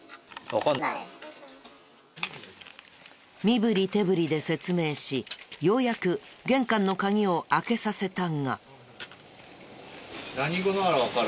身ぶり手ぶりで説明しようやく玄関の鍵を開けさせたが。